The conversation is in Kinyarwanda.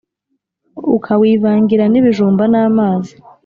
Ukawivangira n'ibijumba namazi